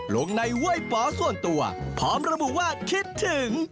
ลงในห้วยป๋อส่วนตัวพร้อมระบุว่าคิดถึง